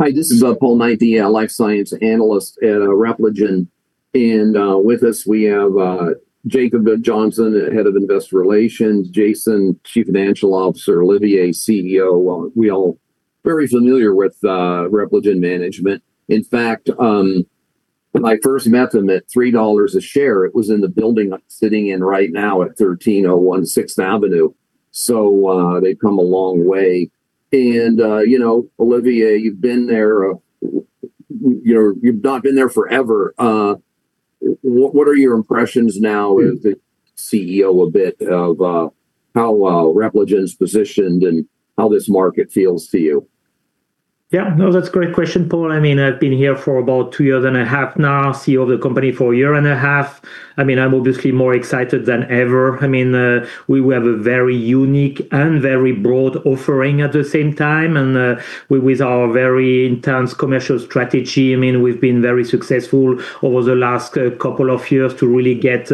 Hi, this is Paul Knight, the Life Science Analyst. Repligen. With us, we have Jacob Johnson, head of investor relations, Jason, Chief Financial Officer, Olivier, CEO. We all very familiar with Repligen management. In fact, when I first met them at $3 a share, it was in the building I'm sitting in right now at 1301 Sixth Avenue. They've come a long way. You know, Olivier, you've been there, you've not been there forever. What are your impressions now as the CEO a bit of how Repligen's positioned and how this market feels to you? Yeah. No, that's a great question, Paul. I mean, I've been here for about two years and a half now, CEO of the company for a year and a half. I mean, I'm obviously more excited than ever. I mean, we have a very unique and very broad offering at the same time. With our very intense commercial strategy, I mean, we've been very successful over the last couple of years to really get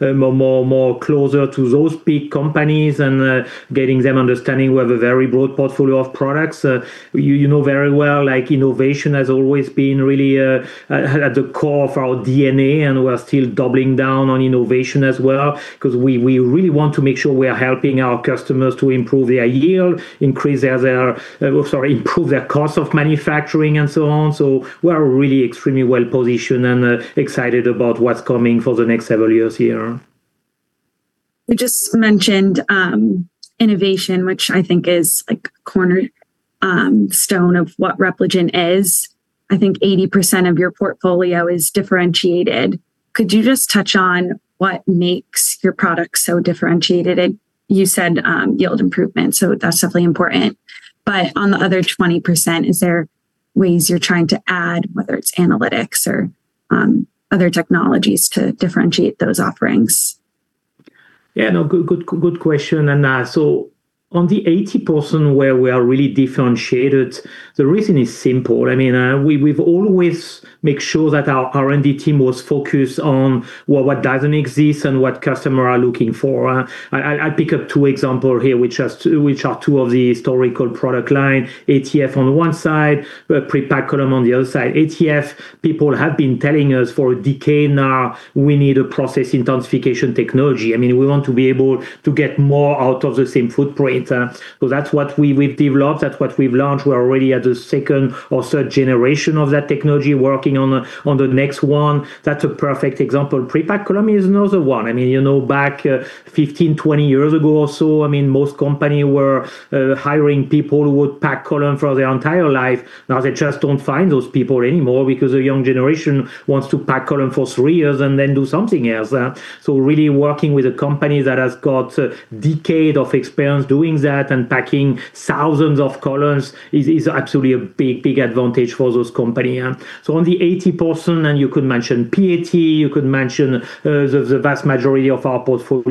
more closer to those big companies and getting them understanding we have a very broad portfolio of products. You know very well, like, innovation has always been really at the core of our DNA, and we're still doubling down on innovation as well, 'cause we really want to make sure we are helping our customers to improve their yield, increase their. sorry, improve their cost of manufacturing and so on. We're really extremely well-positioned and, excited about what's coming for the next several years here. You just mentioned innovation, which I think is like cornerstone of what Repligen is. I think 80% of your portfolio is differentiated. Could you just touch on what makes your product so differentiated? You said yield improvement, so that's definitely important. But on the other 20%, is there ways you're trying to add, whether it's analytics or other technologies to differentiate those offerings? Yeah, no. Good question. On the 80% where we are really differentiated, the reason is simple. I mean, we've always make sure that our R&D team was focused on, well, what doesn't exist and what customer are looking for. I pick up two example here, which are two of the historical product line, ATF on the one side, pre-packed column on the other side. ATF, people have been telling us for a decade now, "We need a process intensification technology." I mean, we want to be able to get more out of the same footprint. That's what we've developed, that's what we've launched. We're already at the second or third generation of that technology, working on the next one. That's a perfect example. Pre-packed column is another one. I mean, you know, back 15, 20 years ago or so, I mean, most companies were hiring people who would pack columns for their entire life. Now they just don't find those people anymore because the young generation wants to pack columns for three years and then do something else. Really working with a company that has got a decade of experience doing that and packing thousands of columns is absolutely a big, big advantage for those companies. On the 80%, you could mention PAT, the vast majority of our portfolio.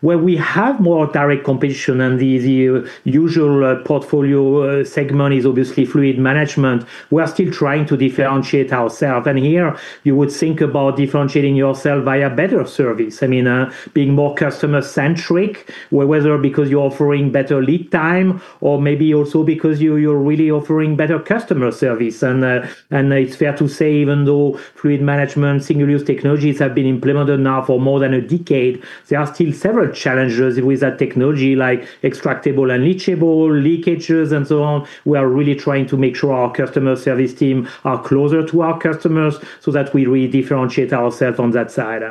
Where we have more direct competition and the usual portfolio segment is obviously Fluid Management, we are still trying to differentiate ourselves. Here you would think about differentiating yourself via better service. I mean, being more customer-centric, whether because you're offering better lead time or maybe also because you're really offering better customer service. It's fair to say, even though Fluid Management, single-use technologies have been implemented now for more than a decade, there are still several challenges with that technology like extractables and leachables leakages and so on. We are really trying to make sure our customer service team are closer to our customers so that we really differentiate ourself on that side.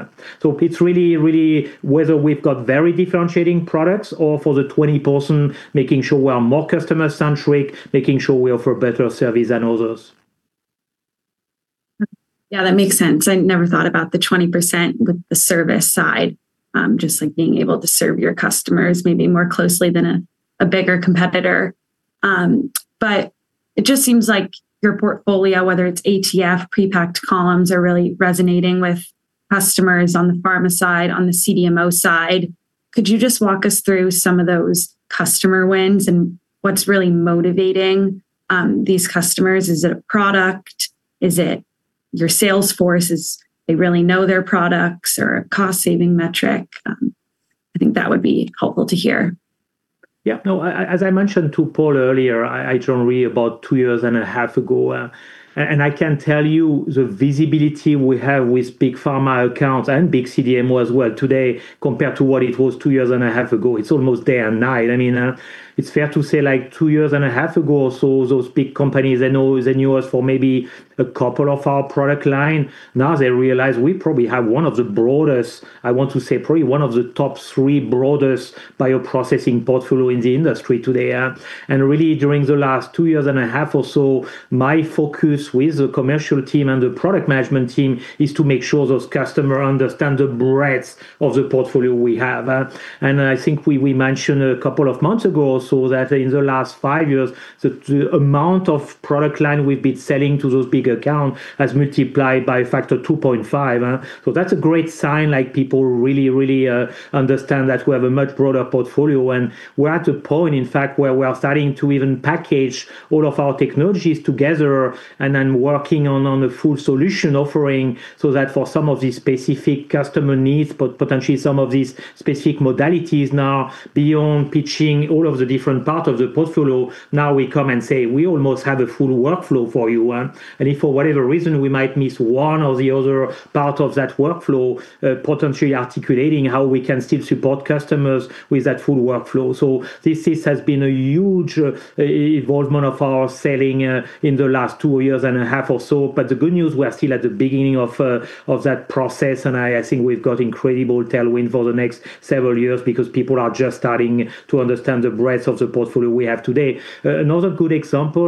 It's really, really whether we've got very differentiating products or for the 20%, making sure we are more customer-centric, making sure we offer better service than others. Yeah, that makes sense. I never thought about the 20% with the service side, just like being able to serve your customers maybe more closely than a bigger competitor. It just seems like your portfolio, whether it's ATF, pre-packed columns, are really resonating with customers on the pharma side, on the CDMO side. Could you just walk us through some of those customer wins and what's really motivating these customers? Is it a product? Is it your sales force? Is they really know their products or a cost-saving metric? I think that would be helpful to hear. Yeah. No, as I mentioned to Paul earlier, I joined Repligen about 2.5 years ago. I can tell you the visibility we have with big pharma accounts and big CDMO today compared to what it was 2.5 years ago. It's almost day and night. I mean, it's fair to say, like, 2.5 years ago or so, those big companies knew us for maybe a couple of our product line. Now they realize we probably have one of the broadest, I want to say probably one of the top three broadest bioprocessing portfolio in the industry today. Really, during the last two years and a half or so, my focus with the commercial team and the product management team is to make sure those customers understand the breadth of the portfolio we have. I think we mentioned a couple of months ago also that in the last five years, the amount of product lines we've been selling to those big accounts has multiplied by a factor 2.5. That's a great sign, like, people really understand that we have a much broader portfolio. We're at a point, in fact, where we are starting to even package all of our technologies together and then working on a full solution offering so that for some of these specific customer needs, potentially some of these specific modalities now beyond pitching all of the different part of the portfolio. Now we come and say, "We almost have a full workflow for you." If for whatever reason we might miss one or the other part of that workflow, potentially articulating how we can still support customers with that full workflow. This has been a huge involvement of our selling in the last two years and a half or so. The good news, we are still at the beginning of that process, and I think we've got incredible tailwind for the next several years because people are just starting to understand the breadth of the portfolio we have today. Another good example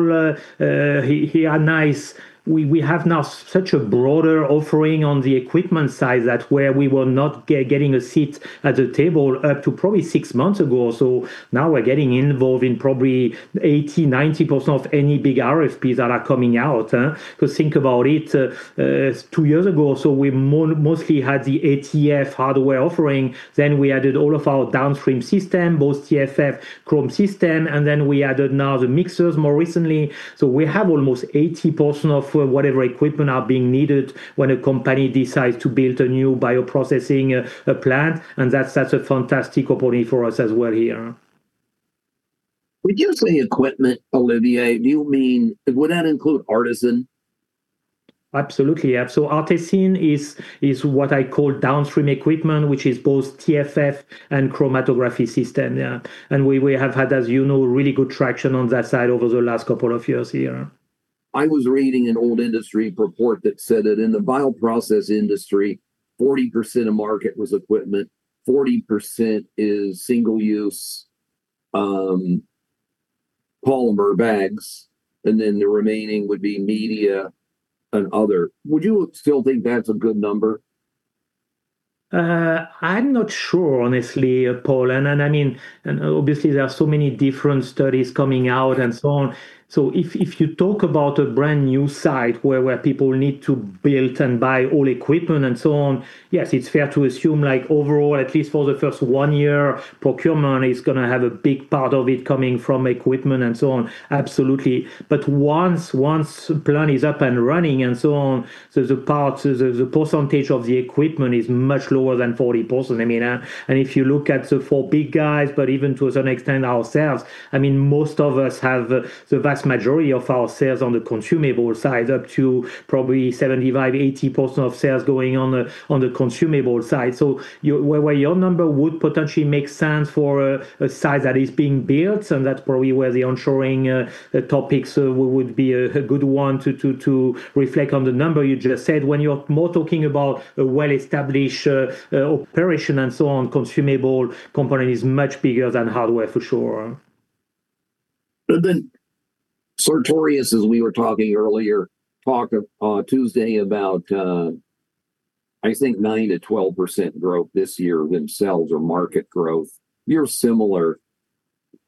here at Nice, we have now such a broader offering on the equipment side that where we were not getting a seat at the table up to probably six months ago or so, now we're getting involved in probably 80%-90% of any big RFPs that are coming out, 'cause think about it. Two years ago or so, we mostly had the ATF hardware offering. Then we added all of our downstream system, both TFF chromatography system, and then we added now the mixers more recently. We have almost 80% of whatever equipment are being needed when a company decides to build a new bioprocessing plant, and that's such a fantastic opportunity for us as well here. When you say equipment, Olivier, would that include ARTeSYN? Absolutely, yeah. ARTeSYN is what I call downstream equipment, which is both TFF and chromatography system, yeah. We have had, as you know, really good traction on that side over the last couple of years here. I was reading an old industry report that said that in the bioprocess industry, 40% of market was equipment, 40% is single-use, polymer bags, and then the remaining would be media and other. Would you still think that's a good number? I'm not sure, honestly, Paul. I mean, obviously there are so many different studies coming out and so on. If you talk about a brand new site where people need to build and buy all equipment and so on, yes, it's fair to assume, like, overall, at least for the first one year, procurement is gonna have a big part of it coming from equipment and so on. Absolutely. Once the plant is up and running and so on, the percentage of the equipment is much lower than 40%. I mean, if you look at the four big guys, but even to a certain extent ourselves, I mean, most of us have the vast majority of our sales on the consumable side, up to probably 75%-80% of sales going on the consumable side. Your number would potentially make sense for a site that is being built, and that's probably where the onshoring topics would be a good one to reflect on the number you just said. When you're more talking about a well-established operation and so on, consumable component is much bigger than hardware, for sure. Sartorius, as we were talking earlier, talked Tuesday about, I think 9%-12% growth this year themselves or market growth. You're similar.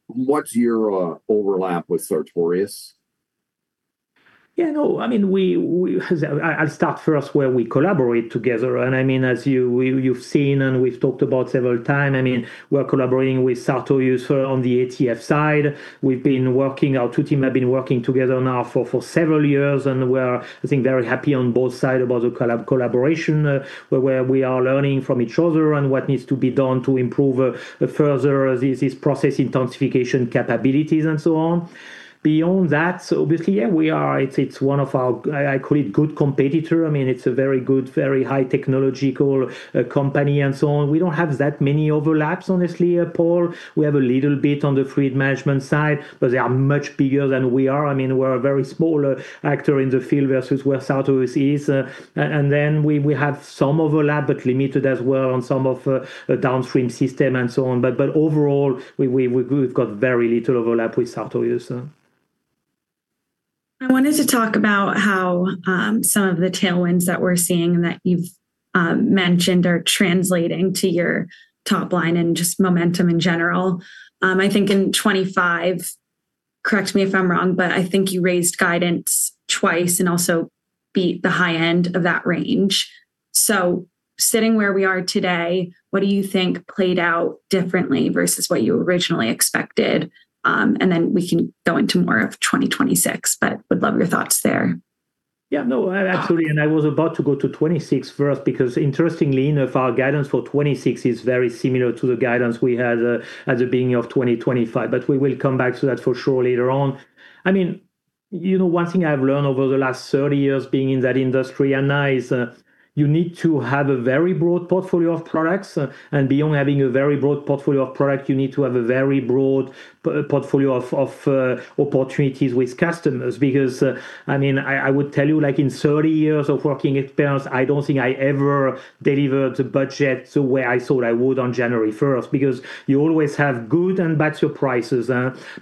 What's your overlap with Sartorius? Yeah, no. I mean, I'll start first where we collaborate together, and I mean, as you've seen and we've talked about several times, I mean, we're collaborating with Sartorius on the ATF side. We've been working our two team have been working together now for several years, and we're, I think, very happy on both side about the collaboration, where we are learning from each other and what needs to be done to improve further this process intensification capabilities and so on. Beyond that, obviously, yeah, it's one of our, I call it good competitor. I mean, it's a very good, very high technological company and so on. We don't have that many overlaps, honestly, Paul. We have a little bit on the Fluid Management side, but they are much bigger than we are. I mean, we're a very smaller actor in the field versus where Sartorius is. We have some overlap, but limited as well on some of the downstream system and so on. Overall, we've got very little overlap with Sartorius. I wanted to talk about how some of the tailwinds that we're seeing that you've mentioned are translating to your top line and just momentum in general. I think in 2025, correct me if I'm wrong, but I think you raised guidance twice and also beat the high end of that range. Sitting where we are today, what do you think played out differently versus what you originally expected? Then we can go into more of 2026, but would love your thoughts there. Actually, I was about to go to 2026 first because interestingly enough, our guidance for 2026 is very similar to the guidance we had at the beginning of 2025, but we will come back to that for sure later on. I mean, you know, one thing I've learned over the last 30 years being in that industry, Anna, is you need to have a very broad portfolio of products. Beyond having a very broad portfolio of product, you need to have a very broad portfolio of opportunities with customers. Because, I mean, I would tell you, like in 30 years of working experience, I don't think I ever delivered a budget the way I thought I would on January 1st, because you always have good and bad surprises,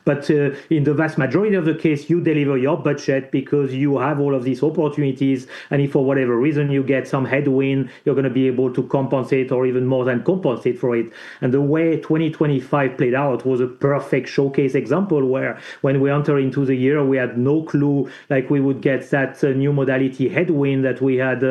but in the vast majority of the case, you deliver your budget because you have all of these opportunities, and if for whatever reason you get some headwind, you're gonna be able to compensate or even more than compensate for it. The way 2025 played out was a perfect showcase example where when we enter into the year, we had no clue like we would get that new modality headwind that we had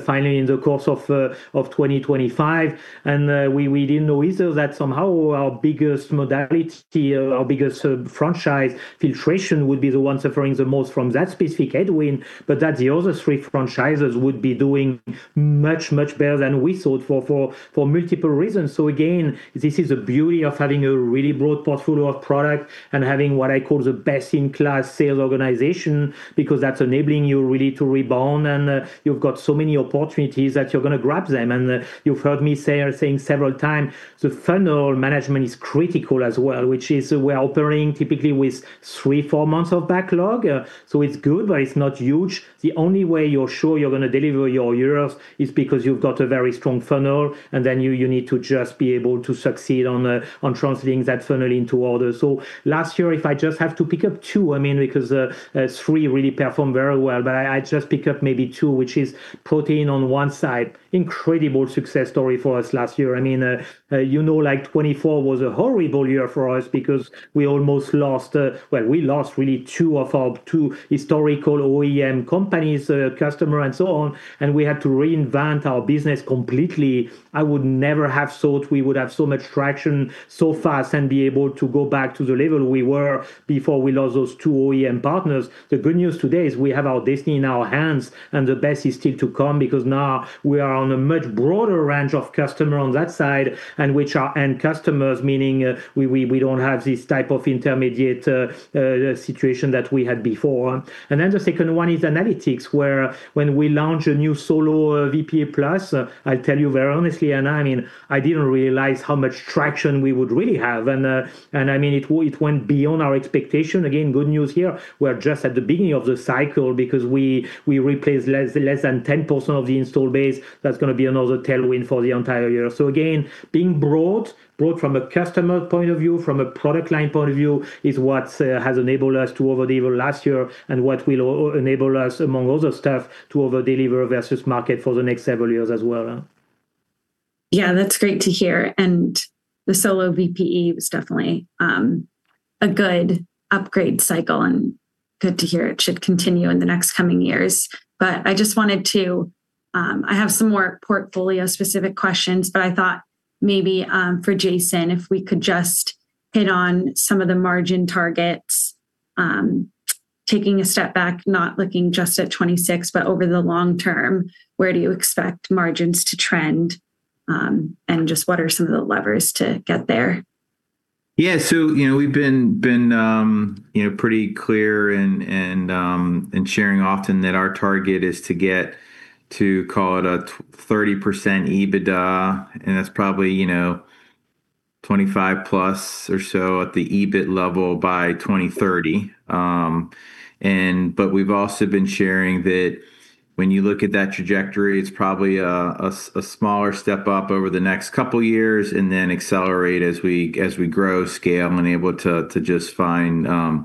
finally in the course of 2025. We didn't know either that somehow our biggest modality or our biggest franchise filtration would be the one suffering the most from that specific headwind, but that the other three franchises would be doing much, much better than we thought for multiple reasons. Again, this is the beauty of having a really broad portfolio of product and having what I call the best-in-class sales organization, because that's enabling you really to rebound, and you've got so many opportunities that you're gonna grab them. You've heard me say or saying several times, the funnel management is critical as well, which is we're operating typically with three-four months of backlog. It's good, but it's not huge. The only way you're sure you're gonna deliver your years is because you've got a very strong funnel, and then you need to just be able to succeed on translating that funnel into orders. Last year, if I just have to pick up two, I mean, because three really performed very well, but I just pick up maybe two, which is protein on one side. Incredible success story for us last year. I mean, you know, like 2024 was a horrible year for us because we almost lost, well, we lost really two of our two historical OEM companies, customer and so on, and we had to reinvent our business completely. I would never have thought we would have so much traction so fast and be able to go back to the level we were before we lost those two OEM partners. The good news today is we have our destiny in our hands, and the best is still to come because now we are on a much broader range of customer on that side, and which are end customers, meaning, we don't have this type of intermediate situation that we had before. Then the second one is analytics, where when we launched a new SoloVPE PLUS, I tell you very honestly, and I mean, I didn't realize how much traction we would really have. I mean, it went beyond our expectation. Again, good news here, we're just at the beginning of the cycle because we replaced less than 10% of the install base. That's gonna be another tailwind for the entire year. Again, being broad from a customer point of view, from a product line point of view, is what has enabled us to over-deliver last year and what will enable us, among other stuff, to over-deliver versus market for the next several years as well. Yeah, that's great to hear. The SoloVPE was definitely a good upgrade cycle, and good to hear it should continue in the next coming years. I have some more portfolio-specific questions, but I thought maybe for Jason, if we could just hit on some of the margin targets. Taking a step back, not looking just at 2026, but over the long term, where do you expect margins to trend, and just what are some of the levers to get there? Yeah. You know, we've been you know, pretty clear and sharing often that our target is to get to call it a 30% EBITDA, and that's probably, you know, 25+ or so at the EBIT level by 2030. But we've also been sharing that when you look at that trajectory, it's probably a smaller step up over the next couple years and then accelerate as we grow scale and able to just find or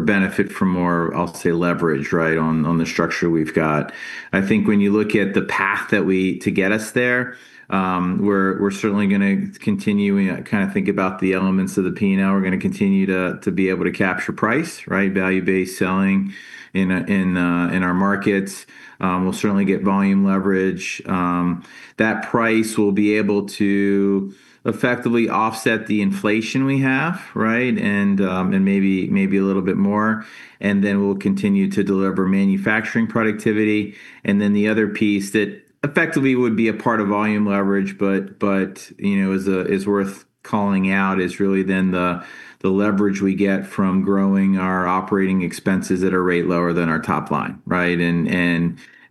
benefit from more, I'll say, leverage, right, on the structure we've got. I think when you look at the path to get us there, we're certainly gonna continuing kind of think about the elements of the P&L. We're gonna continue to be able to capture price, right, value-based selling in our markets. We'll certainly get volume leverage. That price will be able to effectively offset the inflation we have, right, and maybe a little bit more, and then we'll continue to deliver manufacturing productivity. The other piece that effectively would be a part of volume leverage, but you know, is worth calling out is really then the leverage we get from growing our operating expenses at a rate lower than our top line, right?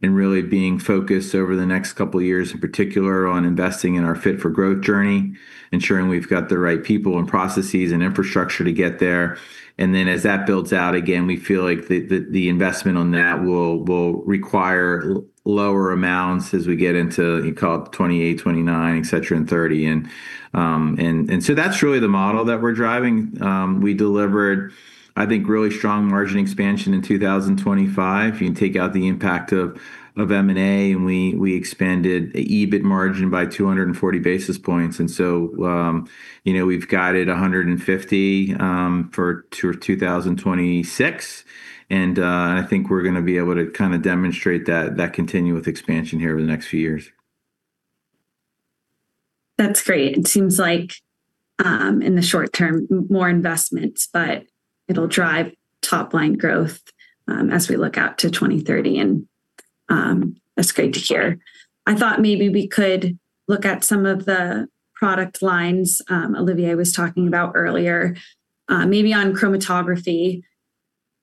Really being focused over the next couple of years, in particular on investing in our Fit for Growth journey, ensuring we've got the right people and processes and infrastructure to get there. Then as that builds out, again, we feel like the investment on that will require lower amounts as we get into, you call it 2028, 2029, et cetera, and 2030. So that's really the model that we're driving. We delivered, I think, really strong margin expansion in 2025. You can take out the impact of M&A, and we expanded the EBIT margin by 240 basis points. You know, we've guided 150 for 2026, and I think we're gonna be able to kinda demonstrate that continued expansion here over the next few years. That's great. It seems like, in the short term, more investments, but it'll drive top line growth, as we look out to 2030, and, that's great to hear. I thought maybe we could look at some of the product lines, Olivier was talking about earlier. Maybe on chromatography.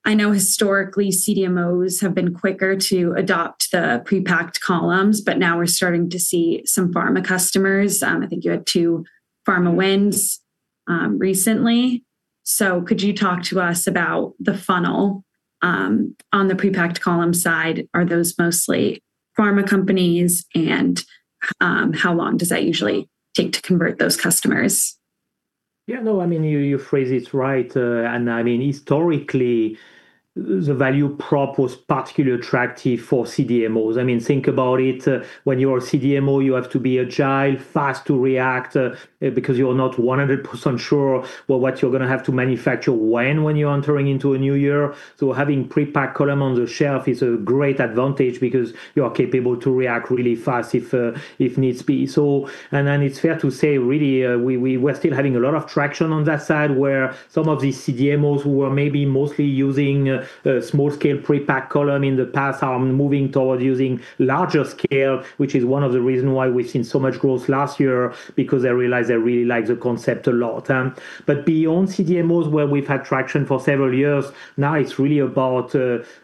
I know historically CDMOs have been quicker to adopt the pre-packed columns, but now we're starting to see some pharma customers. I think you had two pharma wins, recently. Could you talk to us about the funnel, on the pre-packed column side? Are those mostly pharma companies, and, how long does that usually take to convert those customers? Yeah, no, I mean, you phrase it right. I mean, historically, the value prop was particularly attractive for CDMOs. I mean, think about it. When you are a CDMO, you have to be agile, fast to react, because you're not 100% sure what you're gonna have to manufacture when you're entering into a new year. Having pre-packed column on the shelf is a great advantage because you are capable to react really fast if needs be. It's fair to say, really, we're still having a lot of traction on that side where some of these CDMOs who were maybe mostly using small-scale pre-packed column in the past are moving towards using larger scale, which is one of the reason why we've seen so much growth last year, because they realized they really like the concept a lot. But beyond CDMOs where we've had traction for several years, now it's really about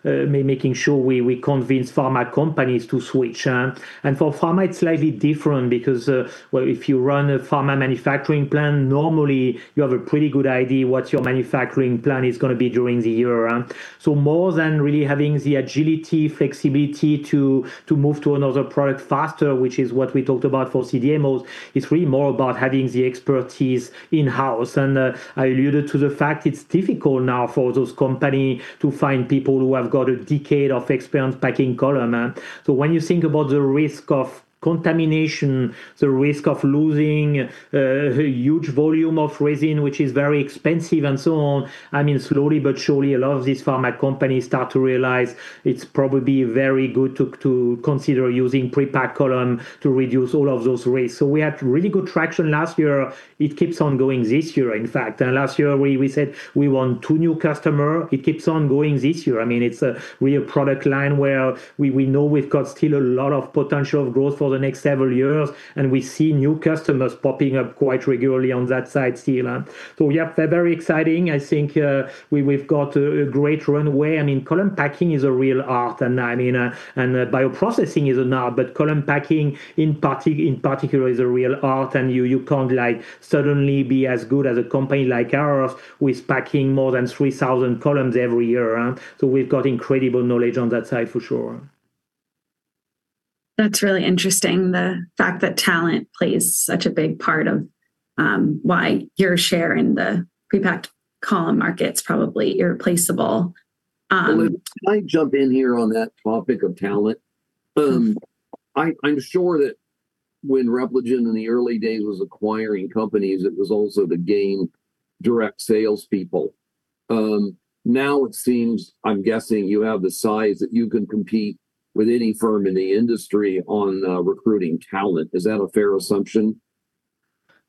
making sure we convince pharma companies to switch. For pharma, it's slightly different because, well, if you run a pharma manufacturing plant, normally you have a pretty good idea what your manufacturing plan is gonna be during the year around. More than really having the agility, flexibility to move to another product faster, which is what we talked about for CDMOs, it's really more about having the expertise in-house. I alluded to the fact it's difficult now for those companies to find people who have got a decade of experience packing column. When you think about the risk of contamination, the risk of losing a huge volume of resin, which is very expensive and so on, I mean, slowly but surely, a lot of these pharma companies start to realize it's probably very good to consider using pre-packed column to reduce all of those risks. We had really good traction last year. It keeps on going this year, in fact. Last year we said we want two new customers. It keeps on going this year. I mean, it's we have a product line where we know we've got still a lot of potential growth for the next several years, and we see new customers popping up quite regularly on that side still. Yeah, they're very exciting. I think we've got a great runway. I mean, column packing is a real art, and I mean and bioprocessing is an art, but column packing in particular is a real art, and you can't, like, suddenly be as good as a company like ours with packing more than 3,000 columns every year. We've got incredible knowledge on that side for sure. That's really interesting, the fact that talent plays such a big part of why your share in the pre-packed column market's probably irreplaceable. Can I jump in here on that topic of talent? I'm sure that when Repligen in the early days was acquiring companies, it was also to gain direct salespeople. Now it seems, I'm guessing you have the size that you can compete with any firm in the industry on recruiting talent. Is that a fair assumption?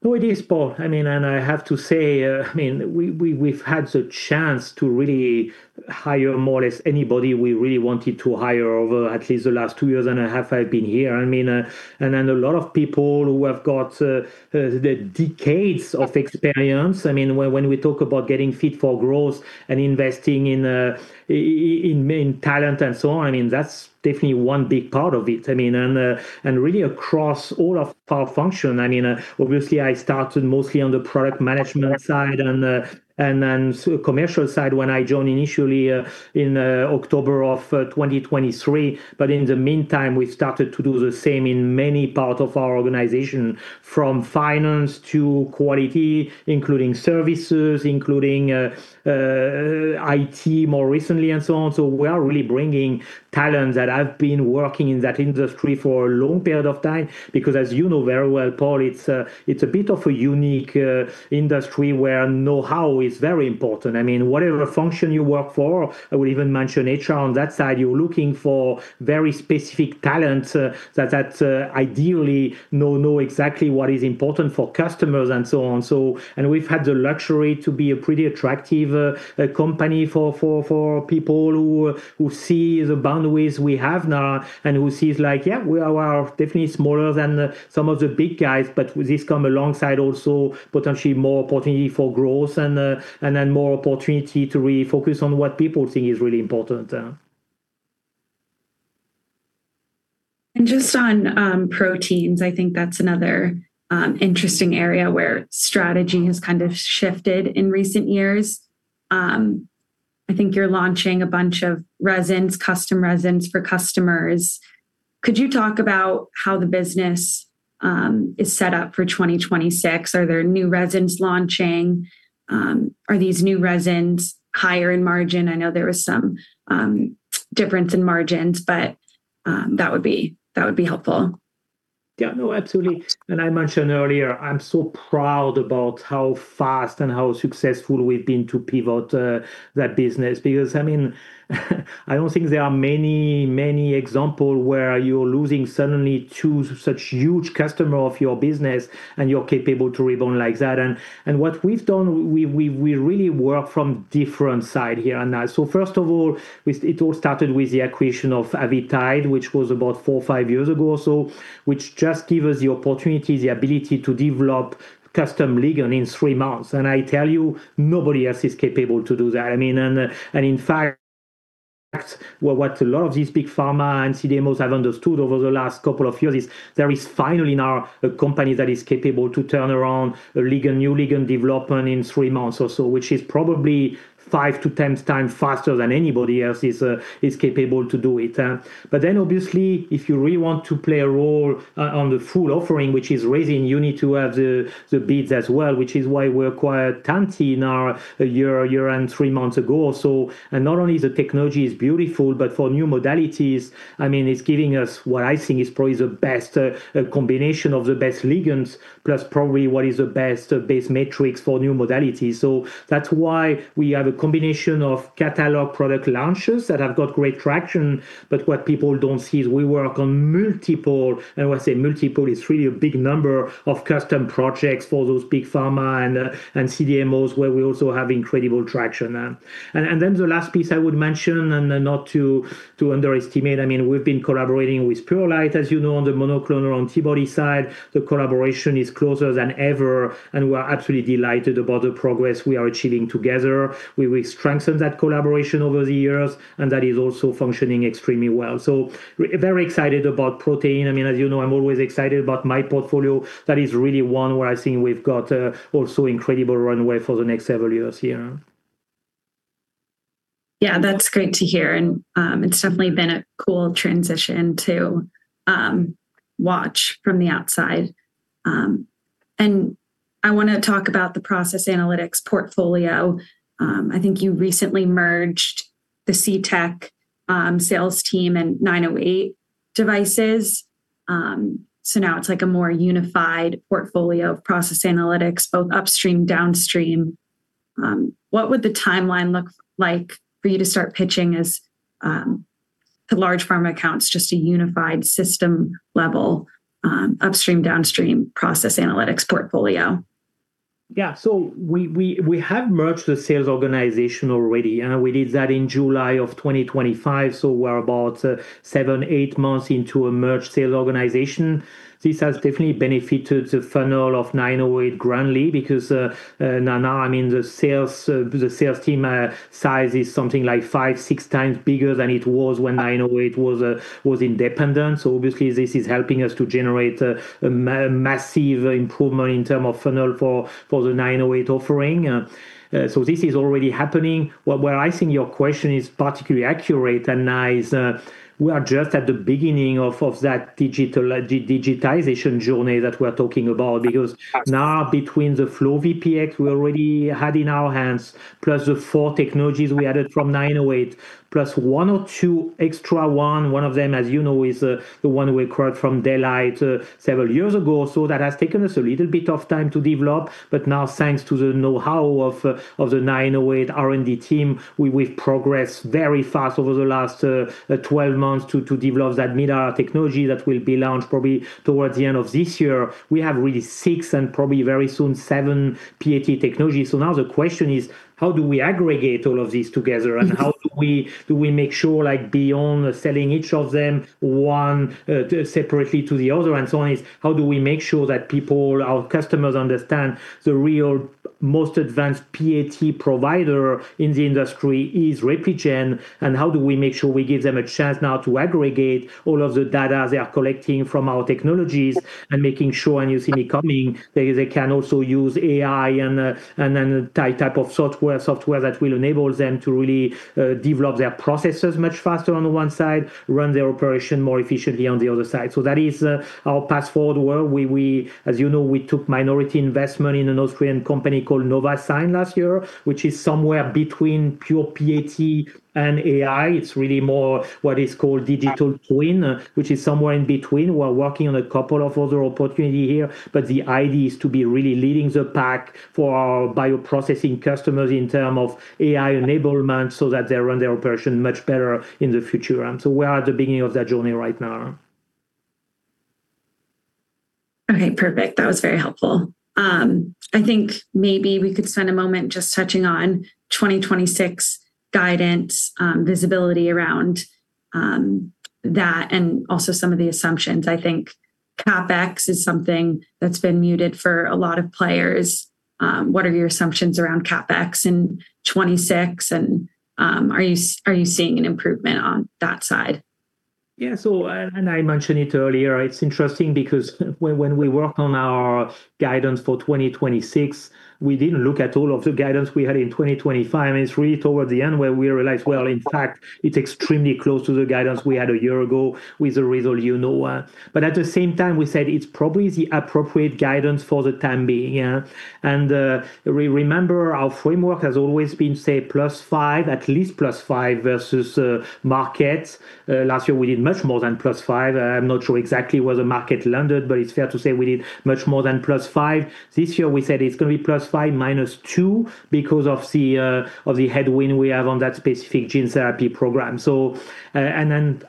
No, it is, Paul. I mean, I have to say, I mean, we've had the chance to really hire more or less anybody we really wanted to hire over at least the last two years and a half I've been here. I mean, then a lot of people who have got the decades of experience. I mean, when we talk about getting Fit for Growth and investing in main talent and so on, I mean, that's definitely one big part of it. I mean, really across all of our function. I mean, obviously I started mostly on the product management side and then sort of commercial side when I joined initially in October of 2023. In the meantime, we started to do the same in many parts of our organization, from finance to quality, including services, including IT more recently and so on. We are really bringing talent that have been working in that industry for a long period of time because as you know very well, Paul, it's a bit of a unique industry where knowhow is very important. I mean, whatever function you work for, I would even mention HR on that side, you're looking for very specific talent that ideally know exactly what is important for customers and so on. We've had the luxury to be a pretty attractive company for people who see the boundaries we have now and who sees like, yeah, we are definitely smaller than some of the big guys, but this comes alongside also potentially more opportunity for growth and then more opportunity to really focus on what people think is really important. Just on proteins, I think that's another interesting area where strategy has kind of shifted in recent years. I think you're launching a bunch of resins, custom resins for customers. Could you talk about how the business is set up for 2026? Are there new resins launching? Are these new resins higher in margin? I know there was some difference in margins, but that would be helpful. Yeah, no, absolutely. I mentioned earlier, I'm so proud about how fast and how successful we've been to pivot that business because, I mean, I don't think there are many examples where you're losing suddenly two such huge customers of your business and you're capable to rebound like that. What we've done, we really work from different side here. Now, first of all, it all started with the acquisition of Avitide, which was about four or five years ago or so, which just give us the opportunity, the ability to develop custom ligand in three months. I tell you, nobody else is capable to do that. I mean, in fact, what a lot of these big pharma and CDMOs have understood over the last couple of years is there is finally now a company that is capable to turn around a ligand, new ligand development in three months or so, which is probably five to 10 times faster than anybody else is capable to do it. Obviously, if you really want to play a role on the full offering, which is resins, you need to have the beads as well, which is why we acquired Tantti in our year and three months ago. Not only the technology is beautiful, but for new modalities, I mean, it's giving us what I think is probably the best combination of the best ligands, plus probably what is the best base matrix for new modalities. That's why we have a combination of catalog product launches that have got great traction, but what people don't see is we work on multiple, and when I say multiple, it's really a big number of custom projects for those big pharma and CDMOs where we also have incredible traction. Then the last piece I would mention, not to underestimate, I mean, we've been collaborating with Purolite, as you know, on the monoclonal antibody side. The collaboration is closer than ever, and we are absolutely delighted about the progress we are achieving together. We will strengthen that collaboration over the years, and that is also functioning extremely well. Very excited about protein. I mean, as you know, I'm always excited about my portfolio. That is really one where I think we've got also incredible runway for the next several years here. Yeah. That's great to hear. It's definitely been a cool transition to watch from the outside. I wanna talk about the process analytics portfolio. I think you recently merged the C Technologies sales team and 908 Devices. Now it's like a more unified portfolio of process analytics, both upstream, downstream. What would the timeline look like for you to start pitching to the large pharma accounts, just a unified system level, upstream, downstream process analytics portfolio? Yeah. We have merged the sales organization already. We did that in July 2025, so we're about seven, eight months into a merged sales organization. This has definitely benefited the funnel of 908 greatly because now, I mean, the sales team size is something like five, six times bigger than it was when 908 was independent. Obviously this is helping us to generate a massive improvement in terms of funnel for the 908 offering. This is already happening. Where I think your question is particularly accurate, and now we are just at the beginning of that digitization journey that we're talking about. Because now between the FlowVPX we already had in our hands, plus the four technologies we added from 908, plus one or two extra ones, one of them, as you know, is the one we acquired from Daylight several years ago. That has taken us a little bit of time to develop. Now thanks to the know-how of the 908 R&D team, we've progressed very fast over the last 12 months to develop that MIRA technology that will be launched probably towards the end of this year. We have really six and probably very soon seven PAT technologies. Now the question is, how do we aggregate all of these together? Mm-hmm. How do we make sure like beyond selling each of them one separately to the other and so on, how do we make sure that people, our customers understand the real most advanced PAT provider in the industry is Repligen? How do we make sure we give them a chance now to aggregate all of the data they are collecting from our technologies and making sure, and you see me coming, they can also use AI and then type of software that will enable them to really develop their processes much faster on the one side, run their operation more efficiently on the other side. That is our path forward, where we, as you know, we took minority investment in an Austrian company called Novasign last year, which is somewhere between pure PAT and AI. It's really more what is called digital twin, which is somewhere in between. We're working on a couple of other opportunities here, but the idea is to be really leading the pack for our bioprocessing customers in terms of AI enablement, so that they run their operations much better in the future. We are at the beginning of that journey right now. Okay. Perfect. That was very helpful. I think maybe we could spend a moment just touching on 2026 guidance, visibility around that and also some of the assumptions. I think CapEx is something that's been muted for a lot of players. What are your assumptions around CapEx in 2026? Are you seeing an improvement on that side? Yeah. I mentioned it earlier, it's interesting because when we worked on our guidance for 2026, we didn't look at all of the guidance we had in 2025, and it's really toward the end where we realized, well, in fact it's extremely close to the guidance we had a year ago with the result you know. At the same time, we said it's probably the appropriate guidance for the time being, yeah. We remember our framework has always been, say, +5%, at least +5% versus markets. Last year we did much more than +5%. I'm not sure exactly where the market landed, but it's fair to say we did much more than +5%. This year we said it's gonna be +5 -2 because of the headwind we have on that specific gene therapy program.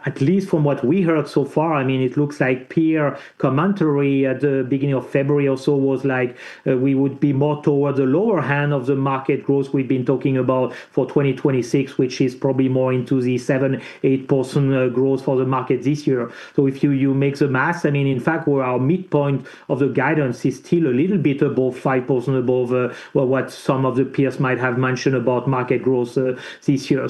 At least from what we heard so far, I mean, it looks like peer commentary at the beginning of February or so was like we would be more towards the lower end of the market growth we've been talking about for 2026, which is probably more into the 7%, 8% growth for the market this year. If you do the math, I mean, in fact, where our midpoint of the guidance is still a little bit above 5% above what some of the peers might have mentioned about market growth this year.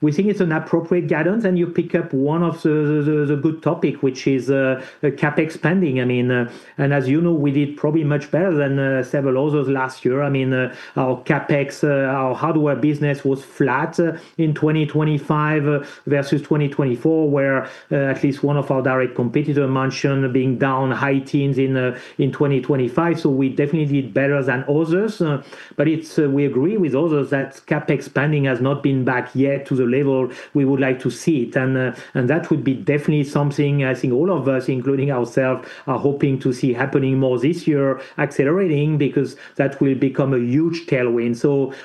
We think it's an appropriate guidance, and you pick up one of the good topic which is the CapEx spending. I mean, and as you know, we did probably much better than several others last year. I mean, our CapEx, our hardware business was flat in 2025 versus 2024, where at least one of our direct competitor mentioned being down high teens in 2025. We definitely did better than others. But it's, we agree with others that CapEx spending has not been back yet to the level we would like to see it. That would be definitely something I think all of us, including ourselves, are hoping to see happening more this year accelerating, because that will become a huge tailwind.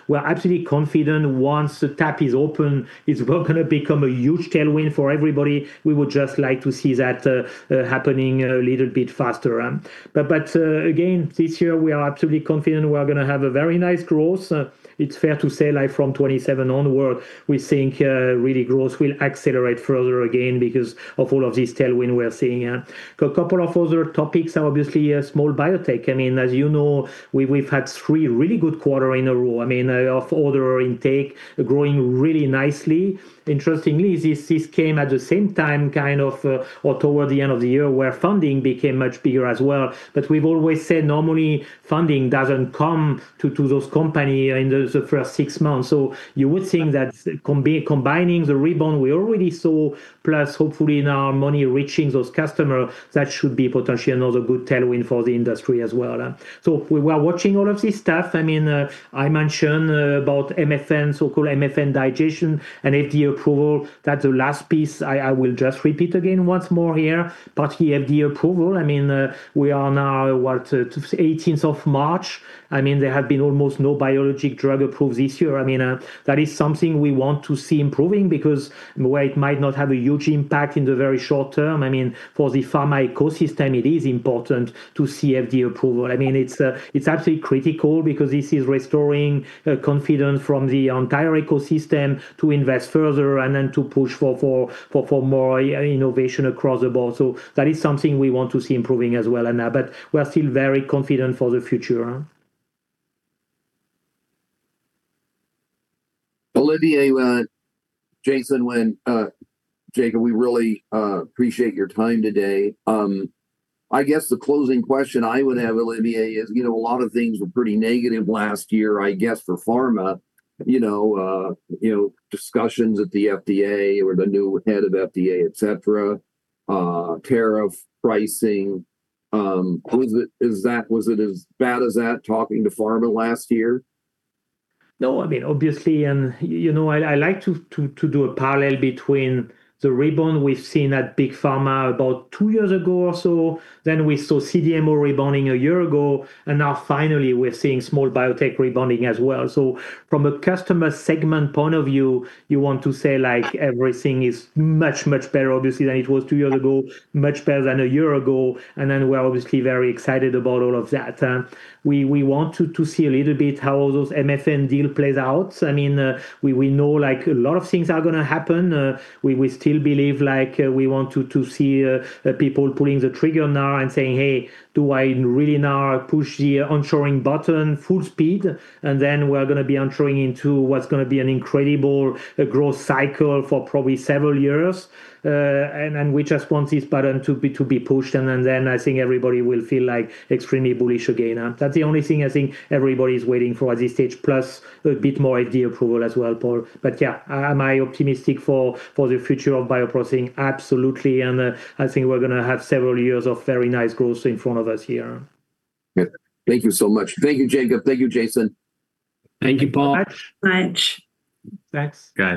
We're absolutely confident once the tap is open, it's going to become a huge tailwind for everybody. We would just like to see that happening a little bit faster. Again, this year we are absolutely confident we are gonna have a very nice growth. It's fair to say like from 2027 onward, we think really growth will accelerate further again because of all of this tailwind we are seeing. A couple of other topics are obviously small biotech. I mean, as you know, we've had three really good quarter in a row. I mean, of order intake growing really nicely. Interestingly, this came at the same time, kind of, or toward the end of the year where funding became much bigger as well. We've always said normally funding doesn't come to those company in the first six months. You would think that combining the rebound we already saw, plus hopefully now money reaching those customer, that should be potentially another good tailwind for the industry as well. We are watching all of this stuff. I mean, I mentioned about Most-Favored-Nation, so-called Most-Favored-Nation legislation and FDA approval. That's the last piece. I will just repeat again once more here. Particularly FDA approval, I mean, we are now, what, the eighteenth of March. I mean, there have been almost no biologic drug approved this year. I mean, that is something we want to see improving because where it might not have a huge impact in the very short term, I mean, for the pharma ecosystem, it is important to see FDA approval. I mean, it's absolutely critical because this is restoring confidence from the entire ecosystem to invest further and then to push for more innovation across the board. That is something we want to see improving as well. We are still very confident for the future. Olivier, Jason, Jacob, we really appreciate your time today. I guess the closing question I would have, Olivier, is, you know, a lot of things were pretty negative last year, I guess, for pharma. You know, discussions at the FDA or the new head of FDA, et cetera, tariff pricing. Was it as bad as that talking to pharma last year? No, I mean, obviously, you know, I like to do a parallel between the rebound we've seen at big pharma about two years ago or so, then we saw CDMO rebounding a year ago, and now finally we're seeing small biotech rebounding as well. From a customer segment point of view, you want to say like everything is much, much better obviously than it was two years ago, much better than a year ago, and then we're obviously very excited about all of that. We want to see a little bit how those Most-Favored-Nation deal plays out. I mean, we know like a lot of things are gonna happen. We still believe like, we want to see people pulling the trigger now and saying, "Hey, do I really now push the onshoring button full speed?" Then we're gonna be onshoring into what's gonna be an incredible growth cycle for probably several years. We just want this button to be pushed and then I think everybody will feel like extremely bullish again. That's the only thing I think everybody's waiting for at this stage, plus a bit more FDA approval as well, Paul. Yeah, am I optimistic for the future of bioprocessing? Absolutely. I think we're gonna have several years of very nice growth in front of us here. Yeah. Thank you so much. Thank you, Jacob. Thank you, Jason. Thank you, Paul. Thanks so much. Thanks. Guys